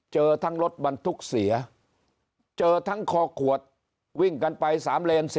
เจอทั้งรถบรรทุกเสียเจอทั้งคอขวดวิ่งกันไป๓เลน